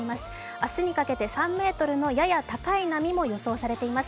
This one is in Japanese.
明日にかけて３ｍのやや高い波も予想されています。